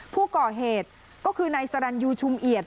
ผู้ก่อเหตุก็คือนายสรรยูชุมเอียด